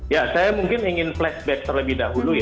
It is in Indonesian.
ya saya mungkin ingin flashback terlebih dahulu ya